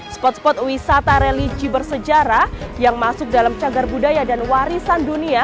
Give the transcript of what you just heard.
spot spot wisata religi bersejarah yang masuk dalam cagar budaya dan warisan dunia